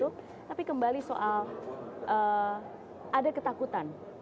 terima kasih kembali soal ada ketakutan